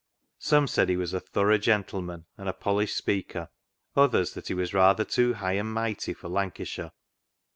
Some said he was a thorough gentleman and a polished speaker, others that he was rather too high and mighty for Lancashire.